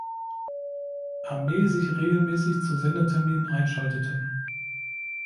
Armee sich regelmäßig zum Sendetermin einschalteten.